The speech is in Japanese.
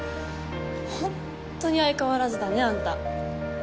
ほんとに相変わらずだねあんた。